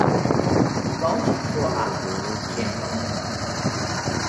Won't you draw up, gentlemen.